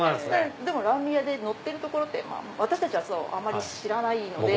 でもラーメン屋でのってるとこ私たちはあまり知らないので。